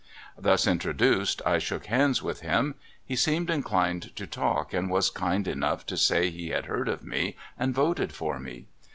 Thus introduced, I shook hands Avith him. He seemed inclined to talk, and was kind enough to say he had heard of me, and voted for me.